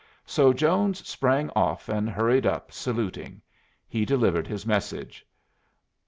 So Jones sprang off and hurried up, saluting. He delivered his message.